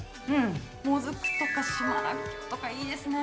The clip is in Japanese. モズクとか島らっきょとか、いいですね。